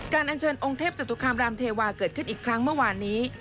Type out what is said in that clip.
อันเชิญองค์เทพจตุคามรามเทวาเกิดขึ้นอีกครั้งเมื่อวานนี้